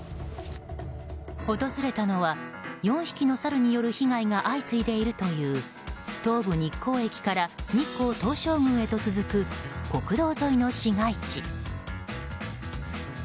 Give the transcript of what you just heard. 訪れたのは４匹のサルによる被害が相次いでいるという東武日光駅から日光東照宮へと続く国道沿いの市街地。